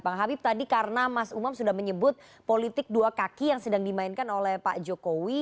bang habib tadi karena mas umam sudah menyebut politik dua kaki yang sedang dimainkan oleh pak jokowi